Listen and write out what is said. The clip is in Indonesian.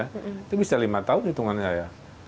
itu bisa lima tahun hitungannya ya